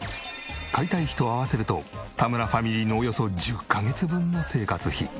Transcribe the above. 解体費と合わせると田村ファミリーのおよそ１０カ月分の生活費。